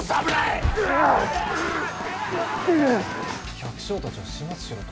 百姓たちを始末しろと？